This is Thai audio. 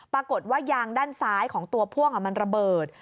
ปรากฏว่ายางด้านซ้ายของตัวพ่วงมันระเบิด